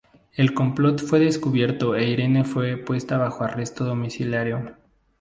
El complot fue descubierto e Irene fue puesta bajo arresto domiciliario.